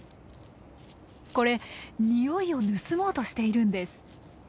これにおいを盗もうとしているんです。